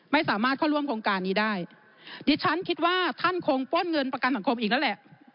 ไม่สามารถเข้าร่วมโครงการนี้ได้ดิฉันคิดว่าท่านคงป้นเงินประกันสังคมอีกแล้วแหละ